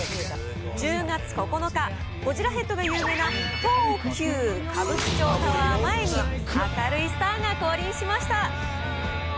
１０月９日、ゴジラヘッドが有名な東急歌舞伎町タワー前に、明るいスターが降臨しました。